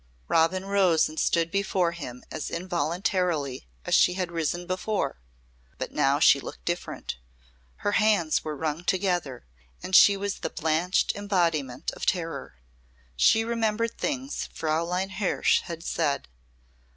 Robin rose and stood before him as involuntarily as she had risen before, but now she looked different. Her hands were wrung together and she was the blanched embodiment of terror. She remembered things Fräulein Hirsh had said.